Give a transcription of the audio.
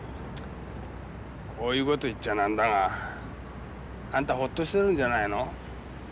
こういう事を言っちゃ何だがあんたホッとしてるんじゃないの？